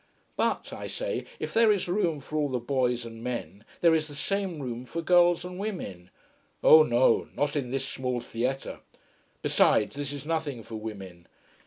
But, I say, if there is room for all the boys and men, there is the same room for girls and women. Oh no not in this small theatre. Besides this is nothing for women.